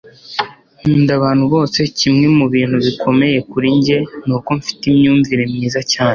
nkunda abantu bose. kimwe mu bintu bikomeye kuri njye ni uko mfite imyumvire myiza cyane